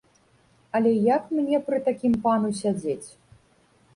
Але як мне пры такім пану сядзець?